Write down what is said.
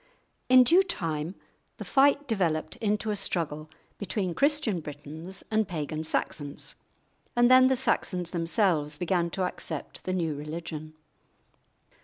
In due time the fight developed into a struggle between Christian Britons and pagan Saxons, and then the Saxons themselves began to accept the new religion.